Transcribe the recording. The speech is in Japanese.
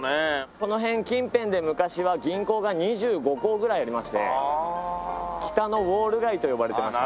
この辺近辺で昔は銀行が２５行ぐらいありまして北のウォール街と呼ばれてました。